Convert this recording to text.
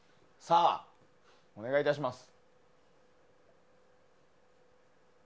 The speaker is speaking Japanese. お願いいたします。